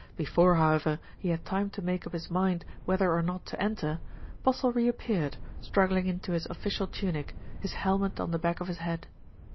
Before, however, he had time to make up his mind whether or not to enter, Postle reap peared, struggling into his official tunic, his helmet on the back of his head.